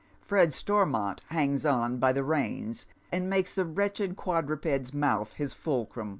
Fred Stormont hangs on by the reins, and makes the wretched quadruped's mouth his fulcrum.